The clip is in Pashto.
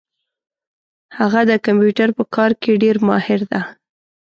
هغه د کمپیوټر په کار کي ډېر ماهر ده